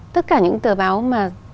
tất cả những tờ báo mà